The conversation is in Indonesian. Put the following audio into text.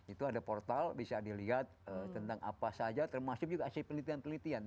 itu ada portal bisa dilihat tentang apa saja termasuk juga hasil penelitian penelitian